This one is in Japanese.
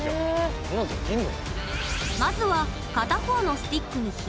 こんなのできんの？